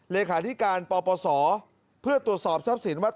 เลขาธิการปปศเพื่อตรวจสอบทรัพย์สินว่า